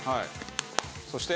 そして？